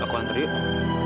aku anterin kamu